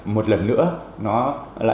một lần nữa nó lại là